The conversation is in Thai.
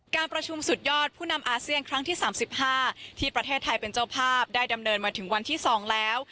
การประชุมสุดยอดผู้นำอาเซียนครั้งที่๓๕ที่ประเทศไทยเป็นเจ้าภาพได้ดำเนินมาถึงวันที่๒แล้ว